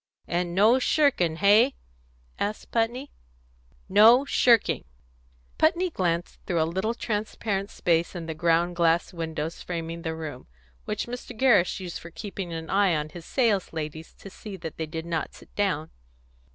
"And no shirking, hey?" asked Putney. "No shirking." Putney glanced through a little transparent space in the ground glass windows framing the room, which Mr. Gerrish used for keeping an eye on his sales ladies to see that they did not sit down.